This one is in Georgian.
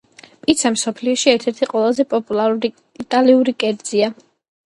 პიცა მსოფლიოში ერთ-ერთი ყველაზე პოპულარული იტალიური კერძია